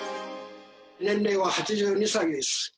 年齢は８２歳です。